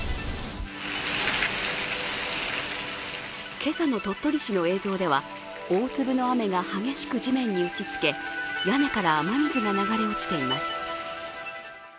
今朝の鳥取市の映像では、大粒の雨が激しく地面に打ちつけ、屋根から雨水が流れ落ちています。